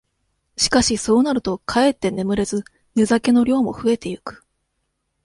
しかし、そうなるとかえって眠れず寝酒の量もふえてゆく。